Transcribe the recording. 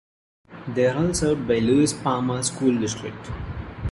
They are all served by the Lewis-Palmer School District.